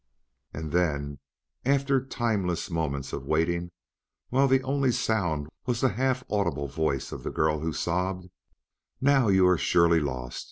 And then, after timeless moments of waiting, while the only sound was the half audible voice of the girl who sobbed: "Now you are surely lost.